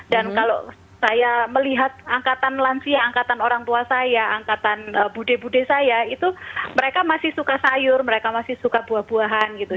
dan kalau saya melihat angkatan lansia angkatan orang tua saya angkatan budi budi saya itu mereka masih suka sayur mereka masih suka buah buahan gitu